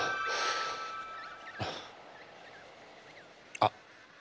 あっ。